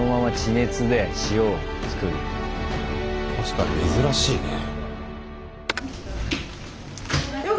確かに珍しいね。